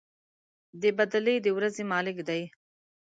د بَدلې د ورځې مالك دی.